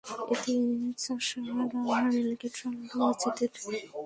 এতে চাষাঢ়া রেলগেট-সংলগ্ন মসজিদের মুসল্লিদের ব্যবহূত পানি নিষ্কাশনের পথও বন্ধ হয়ে গেছে।